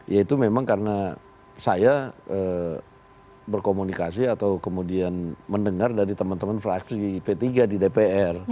yaitu memang karena saya berkomunikasi atau kemudian mendengar dari teman teman fraksi di p tiga di dpr